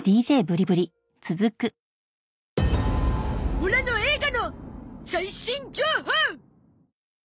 オラの映画の最新情報！